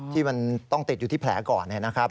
ที่มันต้องติดอยู่ที่แผลก่อนนะครับ